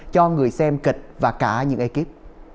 cho người xem kịch và cả những ekip